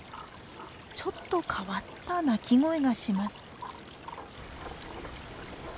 ちょっと変わった鳴き声がします。